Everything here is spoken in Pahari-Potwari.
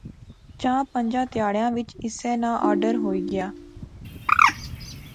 چاں پنجیں تہاڑیں وچ اسے ناں آرڈر ہوئی گیا